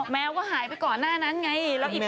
แมวก็หายไปก่อนหน้านั้นไง